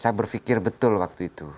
saya berpikir betul waktu itu